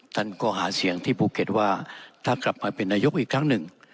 ท่านก็หาเสียงที่ภูเก็ตว่าถ้ากลับมาเป็นนายกอีกครั้งหนึ่ง